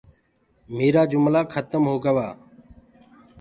ميرآ جُملآ کتم هو گوآ۔